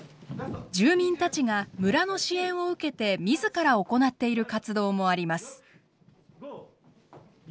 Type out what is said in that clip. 住民たちが村の支援を受けて自ら行っている活動もあります。